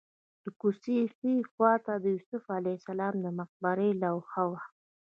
د کوڅې ښي خوا ته د یوسف علیه السلام د مقبرې لوحه وه.